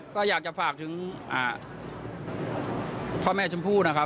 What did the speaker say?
ก็อยากจะฝากถึงความชมพู่นะคะ